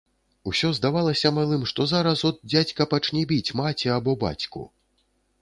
Усё здавалася малым, што зараз от дзядзька пачне біць маці або бацьку.